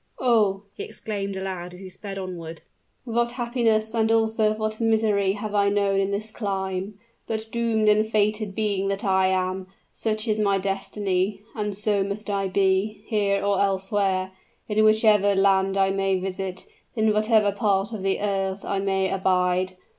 "Oh!" he exclaimed aloud, as he sped onward, "what happiness and also what misery have I known in this clime. But, doomed and fated being that I am, such is my destiny; and so must I be, here or elsewhere, in whichever land I may visit, in whatever part of the earth I may abide.